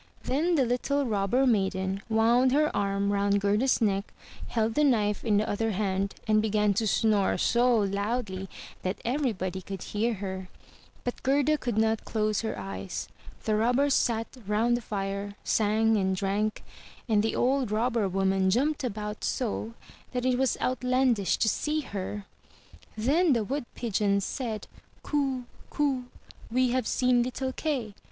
Then the little Robber maiden wound her arm round Gerda's neck, held the knife in the other hand, and began to snore so loudly that everybody could hear her. But Gerda could not close her eyes. The Robbers sat round the fire, sang and drank; and the old Robber woman jumped about so, that it was outlandish to see her. Then the Wood pigeons said, "Coo! coo! we have seen little Kay!